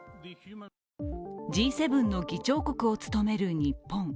Ｇ７の議長国を務める日本。